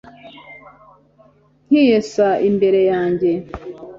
nkiyesa imbere yanjye